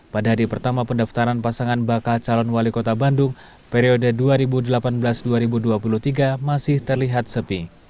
pada hari pertama pendaftaran pasangan bakal calon wali kota bandung periode dua ribu delapan belas dua ribu dua puluh tiga masih terlihat sepi